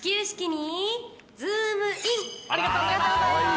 ありがとうございます。